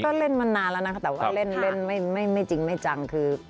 ก็เล่นมานานแล้วนะคะแต่ว่าเล่นไม่จริงไม่จังคือ